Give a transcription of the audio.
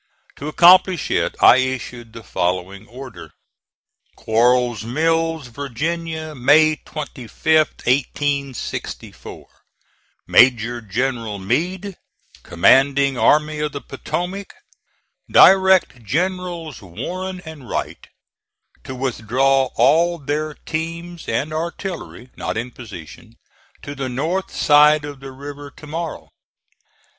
To accomplish it, I issued the following order: QUARLES' MILLS, VA., May 25, 1864. MAJOR GENERAL MEADE, Commanding A. P. Direct Generals Warren and Wright to withdraw all their teams and artillery, not in position, to the north side of the river to morrow.